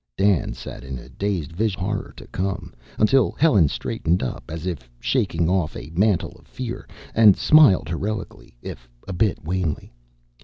Dan sat in a dazed vision of horror to come, until Helen straightened up as if shaking off a mantle of fear, and smiled heroically, if a bit wanly.